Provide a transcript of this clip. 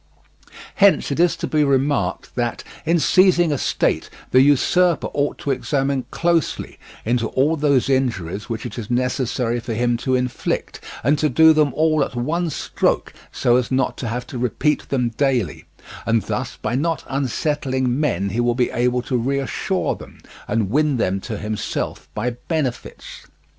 Hence it is to be remarked that, in seizing a state, the usurper ought to examine closely into all those injuries which it is necessary for him to inflict, and to do them all at one stroke so as not to have to repeat them daily; and thus by not unsettling men he will be able to reassure them, and win them to himself by benefits.